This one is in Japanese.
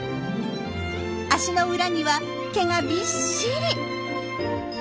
足の裏には毛がびっしり！